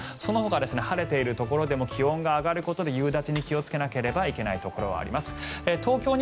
そのほか晴れているところでも気温が上がることで夕立に気をつけなければいけないところがあります。